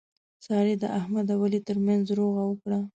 سارې د احمد او علي ترمنځ روغه وکړه.